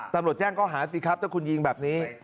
ตำรวจแจ้งเขาหาสิครับถ้าคุณยิงแบบนี้